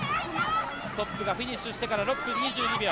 トップがフィニッシュしてから６分２２秒。